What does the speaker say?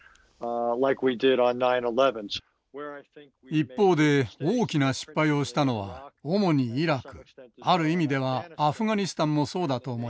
一方で大きな失敗をしたのは主にイラクある意味ではアフガニスタンもそうだと思います。